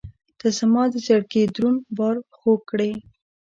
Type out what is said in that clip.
• ته زما د زړګي دروند بار خوږ کړې.